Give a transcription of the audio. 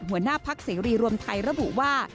หัวหน้าพักเสรีรวมไทยระบุว่า